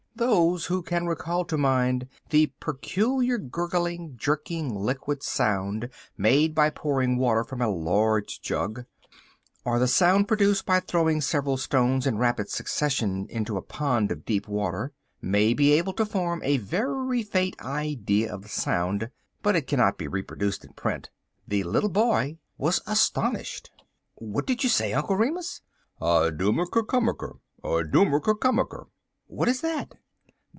Those who can recall to mind the peculiar gurgling, jerking, liquid sound made by pouring water from a large jug, or the sound produced by throwing several stones in rapid succession into a pond of deep water, may be able to form a very faint idea of the sound, but it can not be reproduced in print. The little boy was astonished. "What did you say, Uncle Remus?" "I doom er ker kum mer ker! I doom er ker kum mer ker!" "What is that?"